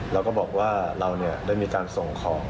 แล้วก็บอกว่าเราได้มีการส่งของ